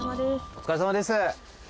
お疲れさまです。